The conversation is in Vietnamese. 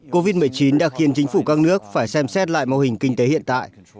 covid một mươi chín đã khiến chính phủ các nước phải xem xét lại mô hình kinh tế hiện tại